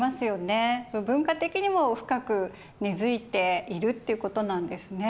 文化的にも深く根づいているっていうことなんですね。